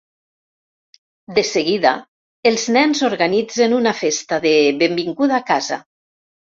De seguida, els nens organitzen una festa de "benvinguda a casa".